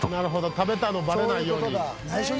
食べたのバレないように。